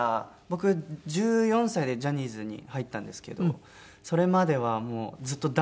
僕１４歳でジャニーズに入ったんですけどそれまではずっとダンス。